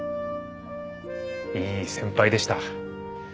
いい先輩でした。